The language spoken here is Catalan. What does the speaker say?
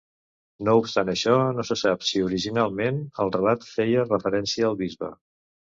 No obstant això, no se sap si originalment el relat feia referència al bisbe.